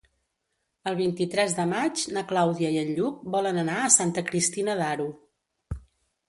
El vint-i-tres de maig na Clàudia i en Lluc volen anar a Santa Cristina d'Aro.